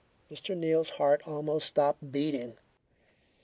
Mr. Neal's heart almost stopped beating.